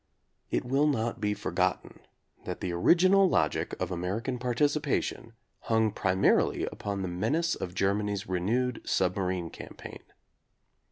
It will not be forgotten that the original logic of American participation hung primarily upon the menace of Germany's renewed submarine campaign.